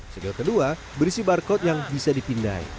segel kedua berisi barcode yang bisa dipindai